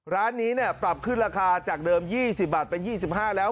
ร้านนี้ปรับขึ้นราคาจากเดิม๒๐บาทเป็น๒๕แล้ว